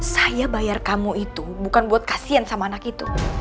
saya bayar kamu itu bukan buat kasihan sama anak itu